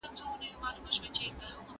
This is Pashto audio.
زه هیڅکله په خپلو زده کړو کي غفلت نه کوم.